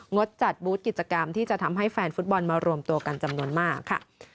ดจัดบูธกิจกรรมที่จะทำให้แฟนฟุตบอลมารวมตัวกันจำนวนมากค่ะ